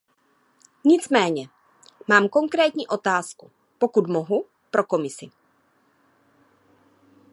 Nicméně, mám konkrétní otázku, pokud mohu, pro Komisi.